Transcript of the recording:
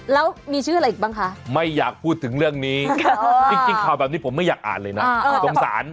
แล้วมีชื่ออะไรอีกบ้างคะไม่อยากพูดถึงเรื่องนี้จริงข่าวแบบนี้ผมไม่อยากอ่านเลยนะสงสาร